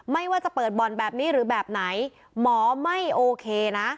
ไม่ว่าจะเปิดบ่อนแบบนี้หรือแบบไหนหมอไม่โอเคนะ